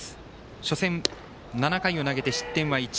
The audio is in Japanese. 初戦、７回を投げて失点は１。